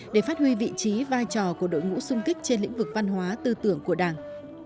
để phát huy vị trí vai trò của đội ngũ xung kích trên lĩnh vực văn hóa tư tưởng của đảng